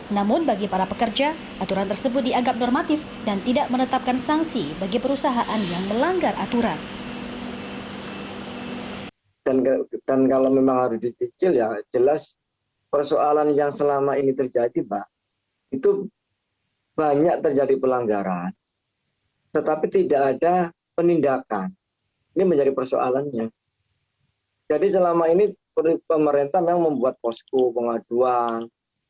namun bagi para pekerja aturan tersebut dianggap normatif dan tidak menetapkan sanksi bagi perusahaan yang melanggar aturan